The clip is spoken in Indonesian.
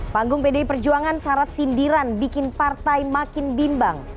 panggung pdi perjuangan syarat sindiran bikin partai makin bimbang